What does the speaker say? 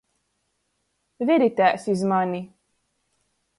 Veritēs iz mani!